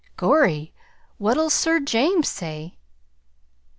Gorry! what'll Sir James say?"